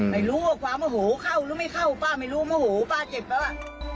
ไม่รู้ว่าความโอโหเข้าหรือไม่เข้าป้าไม่รู้โมโหป้าเจ็บแล้วอ่ะ